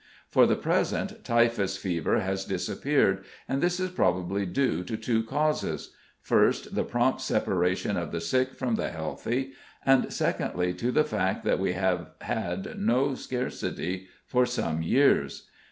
For the present typhus fever has disappeared, and this is probably due to two causes first, the prompt separation of the sick from the healthy, and secondly, to the fact that we have had no scarcity for some years.